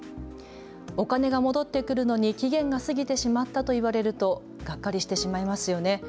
お金が戻ってくるのに期限が過ぎてしまったと言われるとがっかりしてしまいますよね。